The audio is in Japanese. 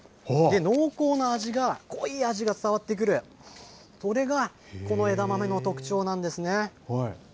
濃厚な味が、濃い味が伝わってくる、これがこの枝豆の特長なんですね。